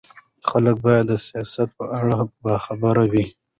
خلک باید د سیاست په اړه باخبره وي